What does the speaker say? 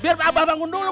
biar abah bangun dulu